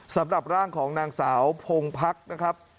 สำหรับร่างของนางสาวพงพักนะครับ